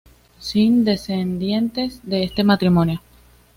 Sin descendientes de este matrimonio.